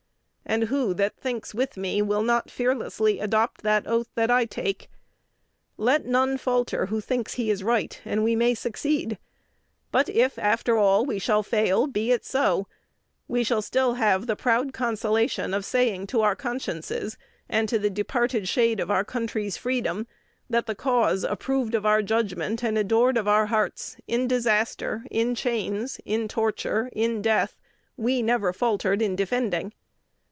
And who that thinks with me will not fearlessly adopt that oath that I take? Let none falter who thinks he is right, and we may succeed. But if, after all, we shall fail, be it so: we still shall have the proud consolation of saying to our consciences, and to the departed shade of our country's freedom, that the cause approved of our judgment and adored of our hearts, in disaster, in chains, in torture, in death, we never faltered in defending."